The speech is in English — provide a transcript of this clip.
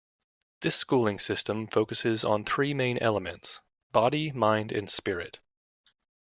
This schooling system focuses on three main elements: body, mind and spirit.